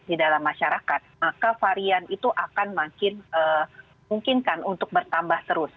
di dalam masyarakat maka varian itu akan makin memungkinkan untuk bertambah terus